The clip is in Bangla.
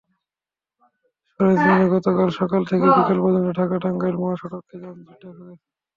সরেজমিনে গতকাল সকাল থেকে বিকেল পর্যন্ত ঢাকা-টাঙ্গাইল মহাসড়কে যানজট দেখা গেছে।